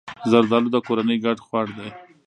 زردالو د کورنۍ ګډ خوړ دی.